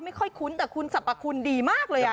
ไม่ค่อยคุ้นแต่คุณสรรพคุณดีมากเลย